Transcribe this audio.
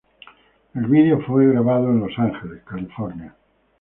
El vídeo fue grabado en Los Ángeles, California.